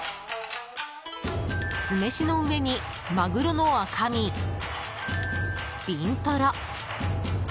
酢飯の上に、マグロの赤身ビントロ。